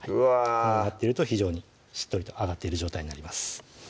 このようになってると非常にしっとりとあがっている状態になります